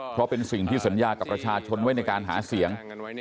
เพราะเป็นสิ่งที่สัญญากับประชาชนไว้ในการหาเสียง